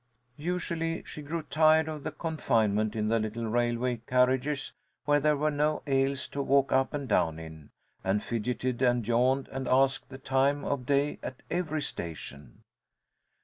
Usually she grew tired of the confinement in the little railway carriages where there were no aisles to walk up and down in, and fidgeted and yawned and asked the time of day at every station.